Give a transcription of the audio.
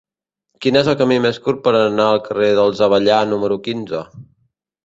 Quin és el camí més curt per anar al carrer dels Avellà número quinze?